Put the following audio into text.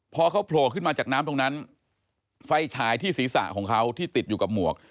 พอเขาโผล่ขึ้นมาจากน้ำตรงนั้นไฟฉายที่ศีรษะของเขาที่ติดอยู่กับหมวก